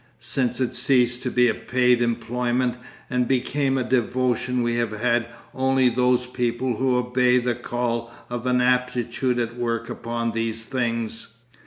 Since it ceased to be a paid employment and became a devotion we have had only those people who obeyed the call of an aptitude at work upon these things.